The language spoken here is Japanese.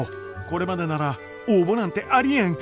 これまでなら「応募なんてありえん！」